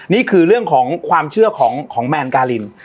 นี่คือเรื่องของความเชื่อของแมนการิน